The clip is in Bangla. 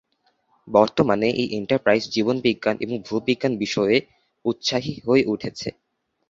বর্তমানে এই এন্টারপ্রাইজ জীবন বিজ্ঞান এবং ভূ বিজ্ঞান বিষয়ে উৎসাহী হয়ে উঠেছে।